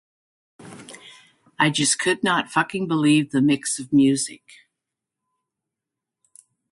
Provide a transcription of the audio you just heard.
I just could not fucking believe the mix of music.